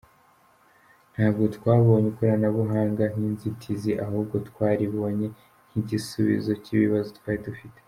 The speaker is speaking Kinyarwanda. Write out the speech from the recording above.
Ntabwo twabonye ikoranabuhanga nk’inzitizi ahubwo twaribonye nk’igisubizo cy’ibibazo twari dufite”.